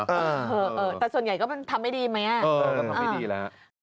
เออแต่ส่วนใหญ่ก็มันทำไม่ดีไหมก็ทำไม่ดีแล้ว